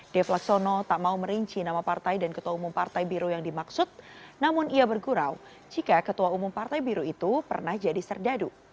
dev laksono tak mau merinci nama partai dan ketua umum partai biru yang dimaksud namun ia bergurau jika ketua umum partai biru itu pernah jadi serdadu